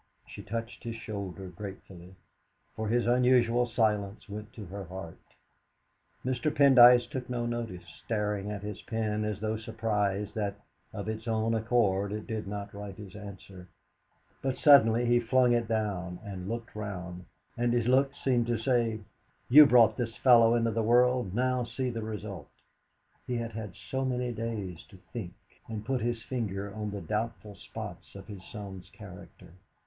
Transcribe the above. She touched his shoulder gratefully, for his unusual silence went to her heart. Mr. Pendyce took no notice, staring at his pen as though surprised that, of its own accord, it did not write his answer; but suddenly he flung it down and looked round, and his look seemed to say: 'You brought this fellow into the world; now see the result!' He had had so many days to think and put his finger on the doubtful spots of his son's character.